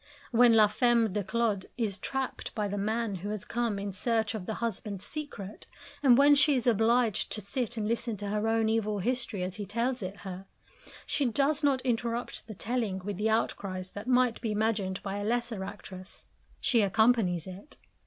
When la femme de Claude is trapped by the man who has come in search of the husband's secret, and when she is obliged to sit and listen to her own evil history as he tells it her, she does not interrupt the telling with the outcries that might be imagined by a lesser actress, she accompanies it.